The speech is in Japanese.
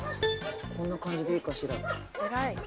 こんな感じでいいかしら。